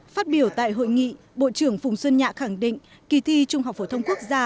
phát biểu tại hội nghị bộ trưởng phùng xuân nhạ khẳng định kỳ thi trung học phổ thông quốc gia